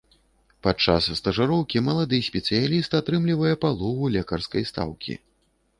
Падчас стажыроўкі малады спецыяліст атрымлівае палову лекарскай стаўкі.